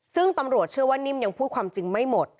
ซึ่งตำรวจเชื่อว่านิ่มยังพูดความจริงไม่หมด